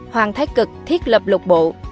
hoàng thái cực thiết lập lục bộ